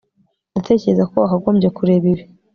ndatekereza ko wakagombye kureba ibi